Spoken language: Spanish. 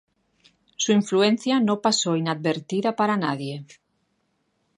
Su influencia no pasó inadvertida para nadie.